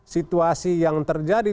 situasi yang terjadi